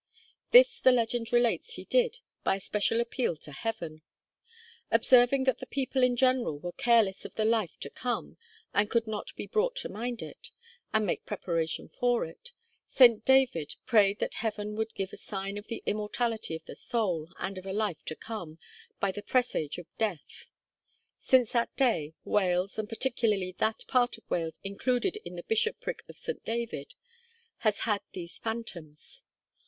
This the legend relates he did by a special appeal to Heaven. Observing that the people in general were careless of the life to come, and could not be brought to mind it, and make preparation for it, St. David prayed that Heaven would give a sign of the immortality of the soul, and of a life to come, by a presage of death. Since that day, Wales, and particularly that part of Wales included in the bishopric of St. David, has had these phantoms.